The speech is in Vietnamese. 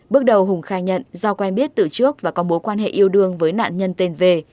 bước đầu hùng khai nhận do quen biết từ trước và có mối quan hệ yêu đương với nạn nhân tên về